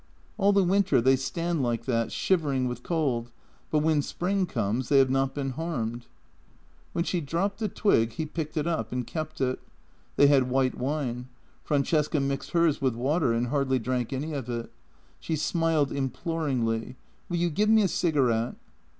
" All the winter they stand like that, shivering with cold, but when spring comes they have not been harmed." When she dropped the twig he picked it up and kept it. They had white wine. Francesca mixed hers with water, and hardly drank any of it. She smiled imploringly: "Will you give me a cigarette?"